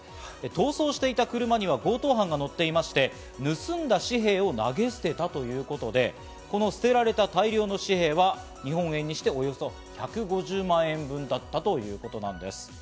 逃走していた車には強盗犯が乗っていて、盗んだ紙幣を投げ捨てたということで、捨てられた大量の紙幣は日本円にして、およそ１５０万円分だったということです。